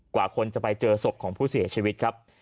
กว่าคนจะไปเจอศพของผู้เสียชีวิตครับ